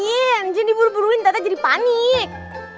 yen jangan diburu buruin tata jadi panik